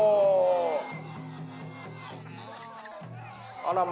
あらま。